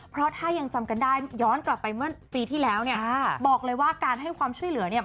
เพราะถ้ายังจำกันได้ย้อนกลับไปเมื่อปีที่แล้วเนี่ยบอกเลยว่าการให้ความช่วยเหลือเนี่ย